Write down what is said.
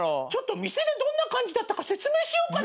店でどんな感じだったか説明しようかな。